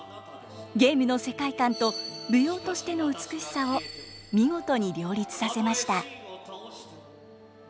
ゲームの世界観と舞踊としての美しさを見事に両立させました。